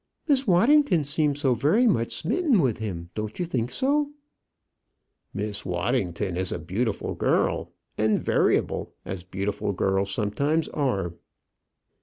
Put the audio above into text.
"Miss Waddington seems very much smitten with him; don't you think so?" "Miss Waddington is a beautiful girl; and variable as beautiful girls sometimes are."